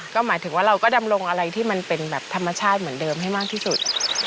ก็หมายถึงว่าเราก็ดำรงอะไรที่มันเป็นแบบธรรมชาติเหมือนเดิมให้มากที่สุด